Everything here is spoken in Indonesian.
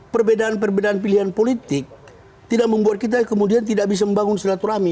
perbedaan perbedaan pilihan politik tidak membuat kita kemudian tidak bisa membangun silaturahmi